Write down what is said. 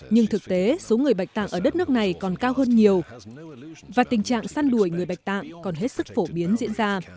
nhưng thực tế số người bạch tạng ở đất nước này còn cao hơn nhiều và tình trạng săn đuổi người bạch tạng còn hết sức phổ biến diễn ra